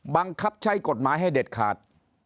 บังคับใช้กฎหมายให้เด็ดขาด